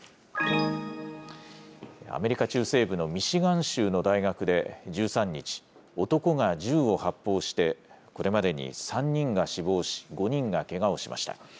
アメリカ中西部のミシガン州の大学で１３日、男が銃を発砲して、これまでに３人が死亡し、５人がけがをしました。